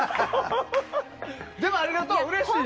でも、ありがとう。うれしいよ。